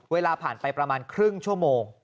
เวลาผ่านไปประมาณครึ่งชั่วโมง